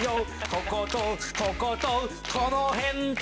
こことこことこの辺と